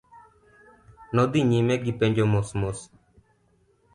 Nodhi nyime gipenjo mos mos.